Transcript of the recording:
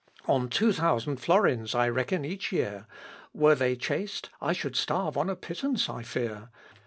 On two thousand florins I reckon each year, Were they chaste, I should starve on a pittance I fear.